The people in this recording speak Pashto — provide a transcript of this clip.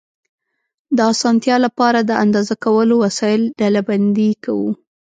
د اسانتیا له پاره، د اندازه کولو وسایل ډلبندي کوو.